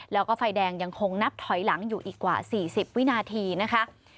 แล้วก็ไฟแดงยังคงนับถอยหลังอยู่อีกกว่า๔๐วินาทีนะคะ